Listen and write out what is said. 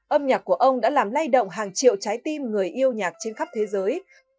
âm nhạc của ông đã làm lay động hàng triệu trái tim người yêu nhạc trên khắp thế giới